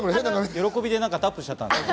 喜びで何かタップしちゃったんですかね。